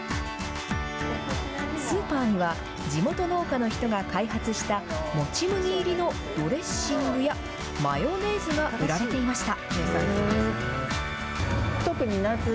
スーパーには、地元農家の人が開発した、もち麦入りのドレッシングやマヨネーズが売られていました。